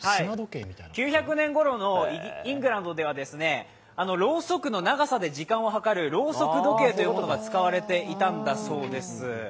９００年ごろのイングランドではろうそくの長さで時間をはかるろうそく時計というものが使われていたそうです。